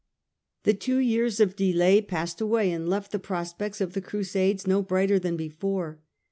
The two years of delay passed away and left the pros pects of the Crusade no brighter than before.